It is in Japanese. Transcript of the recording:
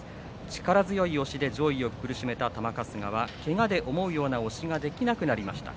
力強い押しで上位を苦しめた玉春日は、けがで思うような押しができなくなりました。